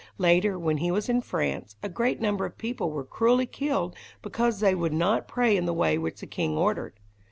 Later, when he was in France, a great number of people were cruelly killed because they would not pray in the way which the king ordered.